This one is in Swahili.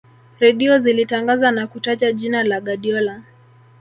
redio zilitangaza na kutaja jina la guardiola